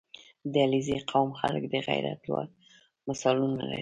• د علیزي قوم خلک د غیرت لوړ مثالونه لري.